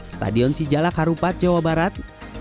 stadion sijalak harupat jawa barat